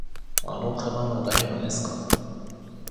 あのかばんはだれのですか。